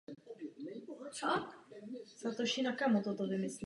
Průzkum Měsíce pak převzal program Ranger.